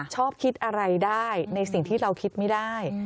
ชอบคิดอะไรได้ในสิ่งที่เราคิดไม่ได้